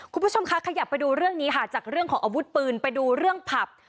คุณผู้ชมคะขยับไปดูเรื่องนี้ค่ะจากเรื่องของอาวุธปืนไปดูเรื่องผับ